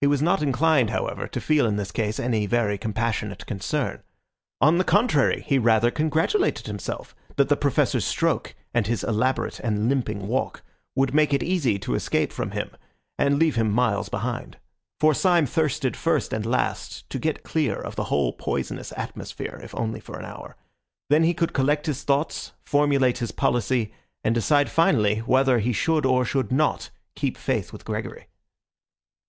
He was not inclined, however, to feel in this case any very compassionate concern. On the contrary, he rather congratulated himself that the Professor's stroke and his elaborate and limping walk would make it easy to escape from him and leave him miles behind. For Syme thirsted first and last to get clear of the whole poisonous atmosphere, if only for an hour. Then he could collect his thoughts, formulate his policy, and decide finally whether he should or should not keep faith with Gregory.